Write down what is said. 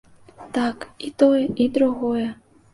Так, і тое, і другое.